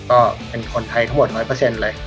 ก็เป็นคนไทยทั้งหมด๑๐๐เลย